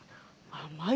甘い。